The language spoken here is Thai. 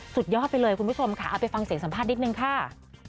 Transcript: สุดยอดไปเลยคุณผู้ชมค่ะเอาไปฟังเสียงสัมภาษณ์นิดนึงค่ะ